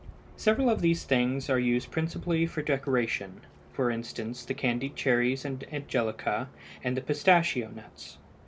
Several of these things are used principally for decoration; for instance, the candied cherries and angelica and the pistachio nuts.